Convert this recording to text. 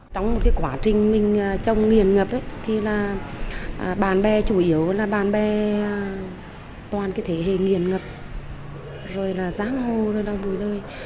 trong một quá trình mình trông nghiền ngập thì là bạn bè chủ yếu là bạn bè toàn cái thế hệ nghiền ngập rồi là giám hồ rồi là mùi lơi